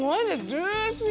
ジューシー！